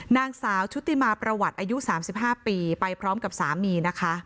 นางสาวชุติมาประวัติอายุ๓๕ปีไปพร้อมกับสามีนะคะ